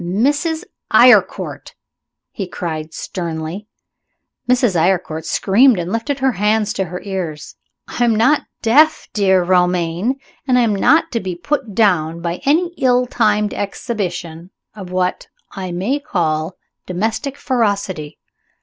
"Mrs. Eyrecourt!" he cried, sternly. Mrs. Eyrecourt screamed, and lifted her hands to her ears. "I am not deaf, dear Romayne, and I am not to be put down by any ill timed exhibition of, what I may call, domestic ferocity.